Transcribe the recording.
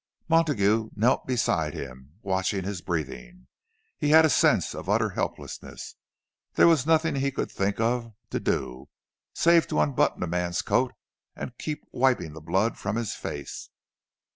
Montague knelt beside him, watching his breathing. He had a sense of utter helplessness—there was nothing he could think of to do, save to unbutton the man's coat and keep wiping the blood from his face.